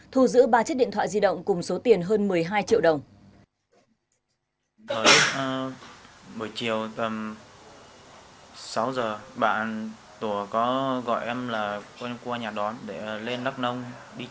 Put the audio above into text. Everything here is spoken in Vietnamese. thu giữ ba chiếc điện thoại di động cùng số tiền hơn một mươi hai triệu đồng